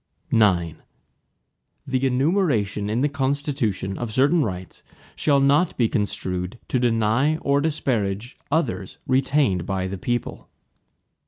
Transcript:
IX The enumeration in the Constitution, of certain rights, shall not be construed to deny or disparage others retained by the people.